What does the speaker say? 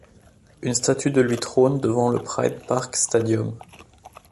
Une statue de lui trône devant le Pride Park Stadium.